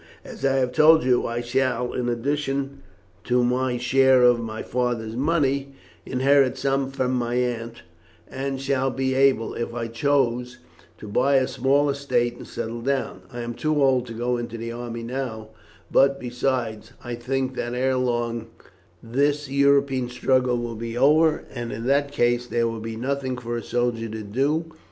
As I have told you, I shall, in addition to my share of my father's money, inherit some from my aunt, and shall be able, if I choose, to buy a small estate and settle down. I am too old to go into our army now, but, besides, I think that ere long this European struggle will be over, and in that case there will be nothing for a soldier to do.